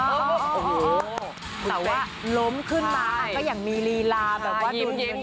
แต่ว่าล้มขึ้นมาก็ยังมีรีลาแบบว่าดูเนี่ย